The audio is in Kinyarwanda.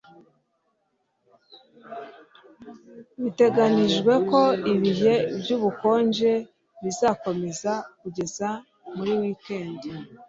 Biteganijwe ko ibihe byubukonje bizakomeza kugeza muri wikendi